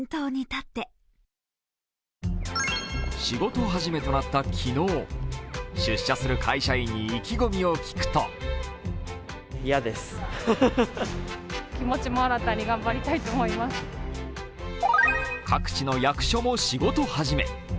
仕事始めとなった昨日、出社する会社員に意気込みを聞くと各地の役所も仕事始め。